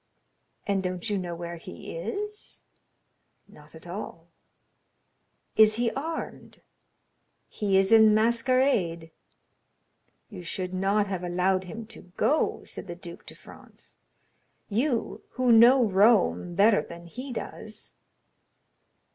"And don't you know where he is?" "Not at all." "Is he armed?" "He is in masquerade." "You should not have allowed him to go," said the duke to Franz; "you, who know Rome better than he does."